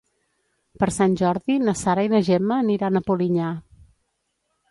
Per Sant Jordi na Sara i na Gemma aniran a Polinyà.